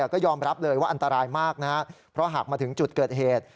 ก็ยอมรับเลยว่าอันตรายมากนะครับเพราะหากมาถึงจุดเกิดเหตุ